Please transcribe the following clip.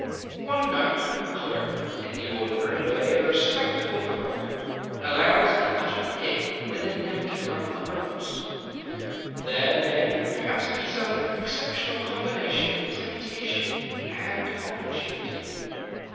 One night a clerk — in the ordinary way a respectable clerk — allows the utter pig within him to come uppermost. There may, perhaps, be some exceptional combination of temptation and opportunity.